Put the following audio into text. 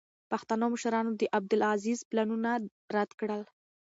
پښتنو مشرانو د عبدالعزیز پلانونه رد کړل.